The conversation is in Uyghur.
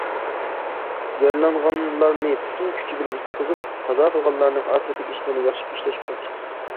يارىلانغانلارنى پۈتۈن كۈچ بىلەن قۇتقۇزۇپ، قازا قىلغانلارنىڭ ئاخىرەتلىك ئىشلىرىنى ياخشى ئىشلەش كېرەك.